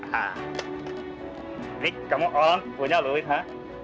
nah ini kamu orang punya lukisan ya